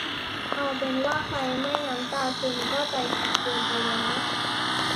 เอาเป็นว่าใครไม่น้ำตาซึมก็ใจแข็งเกินไปแล้ว